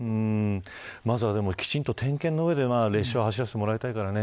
まずはきちんと点検の上で列車を走らせてもらいたいからね。